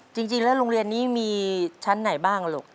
จริงแล้วโรงเรียนนี้มีชั้นไหนบ้างลูก